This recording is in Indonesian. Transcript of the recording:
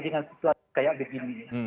dengan situasi kayak begini